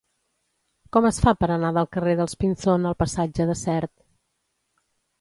Com es fa per anar del carrer dels Pinzón al passatge de Sert?